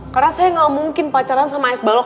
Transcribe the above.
karena saya tidak mungkin pacaran sama es balok